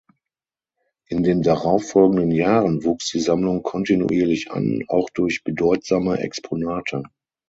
In den darauffolgenden Jahren wuchs die Sammlung kontinuierlich an, auch durch bedeutsame Exponate.